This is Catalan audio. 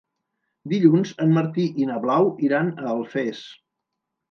Dilluns en Martí i na Blau iran a Alfés.